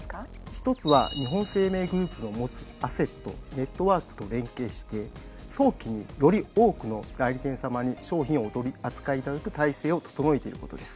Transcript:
一つは日本生命グループの持つアセットネットワークと連携して早期により多くの代理店さまに商品をお取り扱いいただく体制を整えていることです。